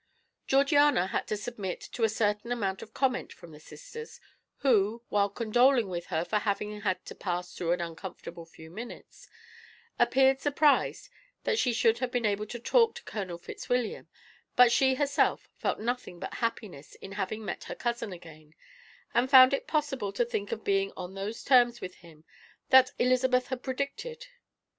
Georgiana had to submit to a certain amount of comment from the sisters, who, while condoling with her for having had to pass through a uncomfortable few minutes, appeared surprised that she should have been able to talk to Colonel Fitzwilliam, but she herself felt nothing but happiness in having met her cousin again, and found it possible to think of being on those terms with him that Elizabeth had predicted.